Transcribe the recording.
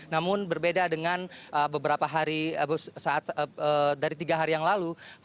namun berbeda dengan beberapa hari saat dari tiga hari yang lalu